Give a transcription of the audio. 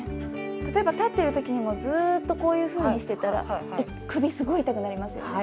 例えば立ってるときにもずーっとこういうふうにしてたら首すごい痛くなりますよね